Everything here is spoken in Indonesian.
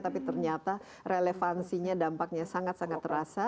tapi ternyata relevansinya dampaknya sangat sangat terasa